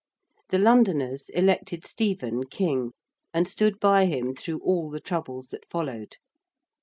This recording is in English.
The Londoners elected Stephen King, and stood by him through all the troubles that followed.